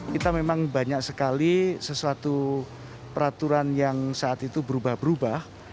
kita memang banyak sekali sesuatu peraturan yang saat itu berubah berubah